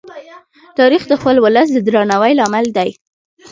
تاریخ د خپل ولس د درناوي لامل دی.